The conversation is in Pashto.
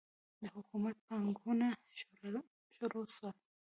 د حکومت پاټکونه شروع سول.